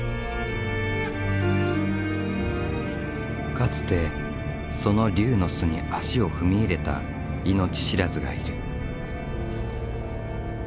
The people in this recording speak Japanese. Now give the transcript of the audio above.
かつてその龍の巣に足を踏み入れた命知らずがいる。